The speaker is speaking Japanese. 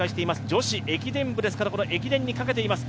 女子駅伝部ですから駅伝にかけています。